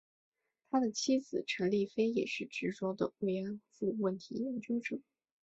他的妻子陈丽菲也是执着的慰安妇问题研究者。